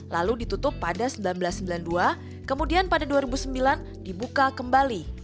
lalu ditutup pada seribu sembilan ratus sembilan puluh dua kemudian pada dua ribu sembilan dibuka kembali